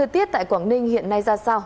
tiết tại quảng ninh hiện nay ra sao